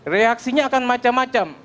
reaksinya akan macam macam